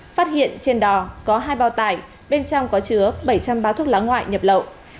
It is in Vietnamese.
phát hiện trên đò có hai bao tải bên trong có chứa bảy trăm linh bao thuốc lá ngoại nhập lậu